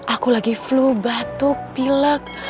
aku lagi flu batuk pilek